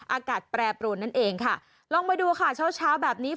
อากาศแปรปรวนนั่นเองค่ะลองไปดูค่ะเช้าเช้าแบบนี้